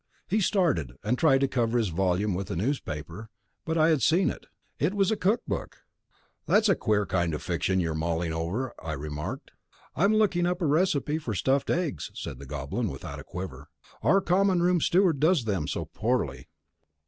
He started, and tried to cover his volume with a newspaper, but I had seen it. It was a cook book. "That's a queer kind of fiction you're mulling over," I remarked. "I'm looking up a recipe for stuffed eggs," said the Goblin, without a quiver. "Our Common Room steward does them so poorly."